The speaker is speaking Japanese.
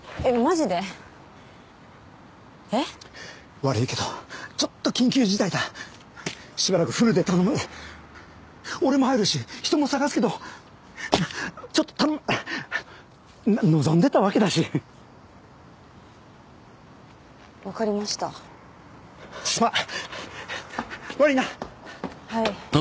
悪いけどちょっと緊急事態だしばらくフルで頼む俺も入るし人も探すけどなあちょっと頼む望んでたわけだしわかりましたすまん！